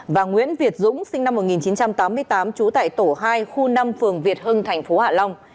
và nguyễn việt dũng sinh năm một nghìn chín trăm tám mươi tám trú tại tổ hai khu năm phường việt hưng tp hà lâm